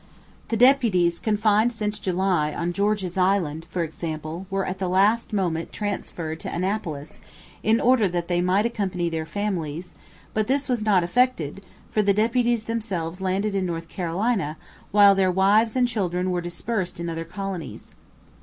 The deputies confined since July on George's Island, for example, were at the last moment transferred to Annapolis in order that they might accompany their families, but this was not effected, for the deputies themselves landed in North Carolina, while their wives and children were dispersed in other colonies.